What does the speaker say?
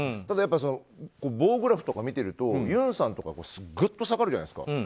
ただ、グラフとか見てるとユンさんとかぐっと下がるじゃないですか。